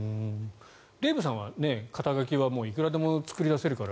デーブさんは、肩書はいくらでも作り出せるから。